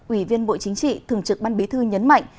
ủy viên bộ chính trị thường trực ban bí thư nhấn mạnh